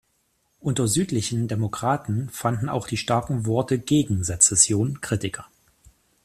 Unter südlichen Demokraten fanden auch die starken Worte gegen Sezession Kritiker.